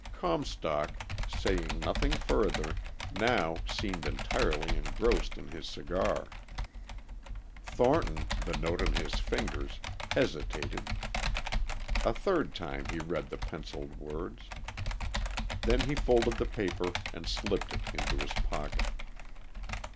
Comstock, saying nothing further, now seemed entirely engrossed in his cigar. Thornton, the note in his fingers, hesitated. A third time he read the pencilled words. Then he folded the paper and slipped it into his pocket.